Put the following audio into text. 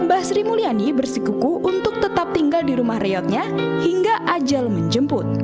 mbah sri mulyani bersikuku untuk tetap tinggal di rumah reotnya hingga ajal menjemput